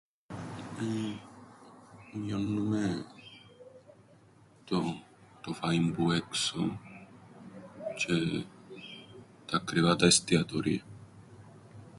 Μει΄΄ωννουμεν το φαΐν που έξω τζ̆αι τα ακριβά τα εστιατόρια.